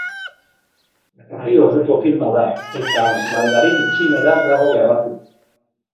Bi orduko filma da, eta mandarin-txineraz dago grabatua.